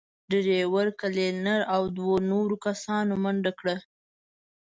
ډرېور، کلينر او دوو نورو کسانو منډه کړه.